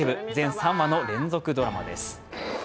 ３話の連続ドラマです。